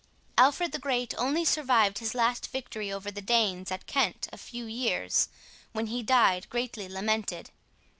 Alfred the Great only survived his last victory over the Danes, at Kent, a few years, when he died greatly lamented.